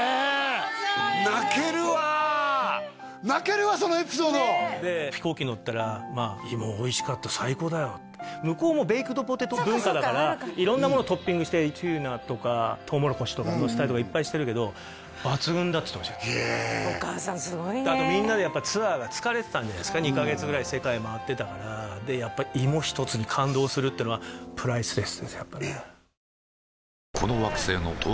お母さん優しい泣けるわそのエピソードで飛行機乗ったら向こうもベイクドポテト文化だから色んなものトッピングしてツナとかトウモロコシとかのせたりとかいっぱいしてるけど「抜群だ」っつってましたよへえお母さんすごいねあとみんなでやっぱツアーが疲れてたんじゃないですか２カ月ぐらい世界回ってたからでやっぱり芋一つに感動するってのはうわひどくなった！